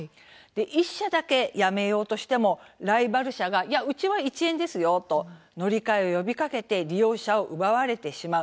１社だけやめようとしてもライバル社がうちは１円ですよと乗り換えを呼びかけて利用者を奪われてしまう。